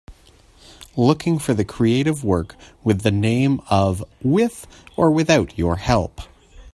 Looking for the creative work with the name of With or Without Your Help